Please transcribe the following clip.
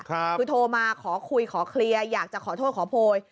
คือโทรมาขอคุยขอเคลียร์อยากจะขอโทษขอโพย